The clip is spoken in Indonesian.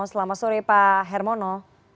selamat sore pak hermono